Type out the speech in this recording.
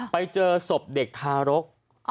ไปเจอศพเด็กทารก